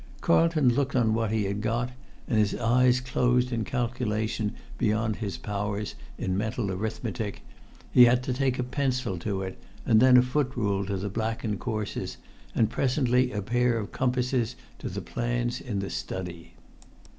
Carlton looked on what he had got, and his eyes closed in a calculation beyond his powers in mental arithmetic; he had to take a pencil to it, and then a foot rule to the blackened courses, and presently a pair of compasses to the plans in the study.